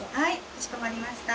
かしこまりました。